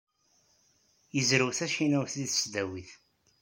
Yezrew tacinwat deg tesdawit.